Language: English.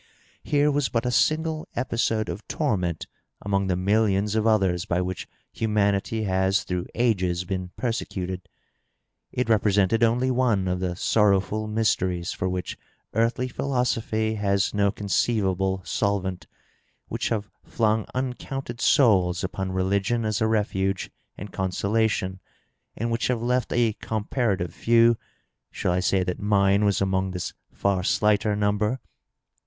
Here was but a single episode of torment among the millions of others by which humanity has through ages been persecuted. It represented only one of the sorrowful mysteries for which earthly philosophy has no conceivable solvent — which have flung uncounted souls upon religion as a refuge and consolation, and which have left a comparative few (shall I say that mine was among this far slighter number?)